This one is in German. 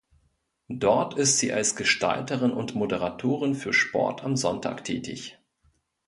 Dort ist sie als Gestalterin und Moderatorin für Sport am Sonntag tätig.